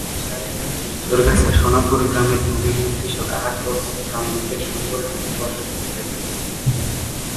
সারিয়াকান্দির জোড়গাছা-সোনাপুর গ্রামের ভূমিহীন কৃষক আহাদ বক্স প্রামাণিকের সম্বল শুধু বসতভিটাটুকুই।